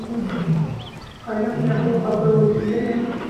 قلم د ښو خبرو وسیله ده